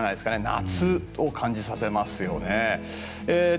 夏を感じさせますね。